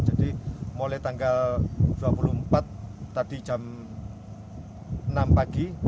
jadi mulai tanggal dua puluh empat tadi jam enam pagi